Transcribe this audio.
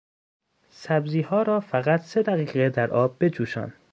سبزیها را فقط سه دقیقه در آب بجوشان.